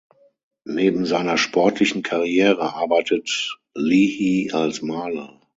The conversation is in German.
Neben seiner sportlichen Karriere arbeitet Leahy als Maler.